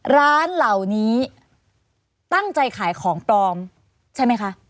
ร้านเหล่านี้ตั้งใจขายของปลอมใช่ไหมคะ